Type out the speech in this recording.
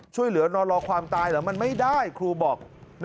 ช่วยเหลือนอนรอความตายเหรอมันไม่ได้ครูบอก